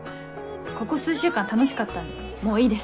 ここ数週間楽しかったんでもういいです。